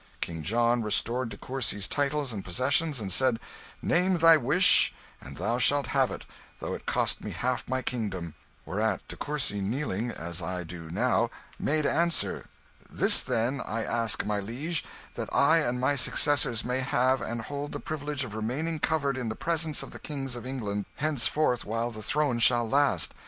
King John restored De Courcy's titles and possessions, and said, 'Name thy wish and thou shalt have it, though it cost me half my kingdom;' whereat De Courcy, kneeling, as I do now, made answer, 'This, then, I ask, my liege; that I and my successors may have and hold the privilege of remaining covered in the presence of the kings of England, henceforth while the throne shall last.